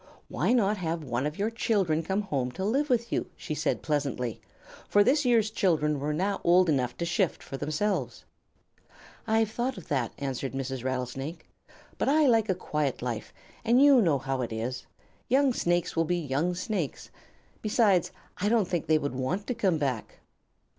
"Why not have one of your children come home to live with you?" she said pleasantly, for this year's children were now old enough to shift for themselves. "I've thought of that," answered Mrs. Rattlesnake, "but I like a quiet life, and you know how it is. Young Snakes will be young Snakes. Besides, I don't think they would want to come back."